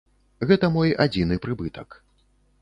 Гэта мой адзіны прыбытак.